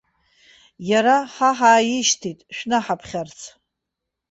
Иара ҳа ҳааишьҭит шәнаҳаԥхьарц.